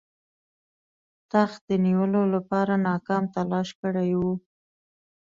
تخت د نیولو لپاره ناکام تلاښ کړی وو.